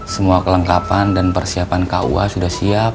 semua kelengkapan dan persiapan kua sudah siap